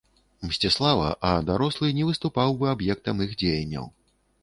Мсціслава, а дарослы не выступаў бы аб'ектам іх дзеянняў.